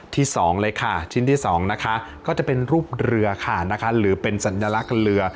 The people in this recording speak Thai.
ที่๒เลยค่ะชิ้นที่๒นะคะก็จะเป็นรูปเรือค่ะนะคะหรือเป็นสัญลักษณ์เรือ